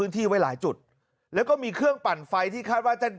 หาวหาวหาวหาวหาวหาวหาวหาวหาว